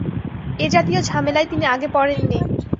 এ-জাতীয় ঝামেলায় তিনি আগে পড়েন নি।